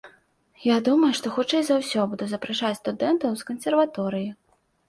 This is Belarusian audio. Я думаю, што хутчэй за ўсё буду запрашаць студэнтаў з кансерваторыі.